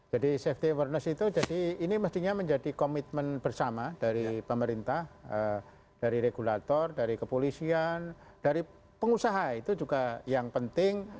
jadi safety awareness itu jadi ini mestinya menjadi komitmen bersama dari pemerintah dari regulator dari kepolisian dari pengusaha itu juga yang penting